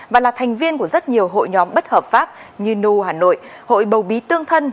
và là thành viên của rất nhiều hội nhóm bất hợp pháp như nu hà nội hội bầu bí tương thân